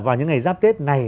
vào những ngày giáp tết này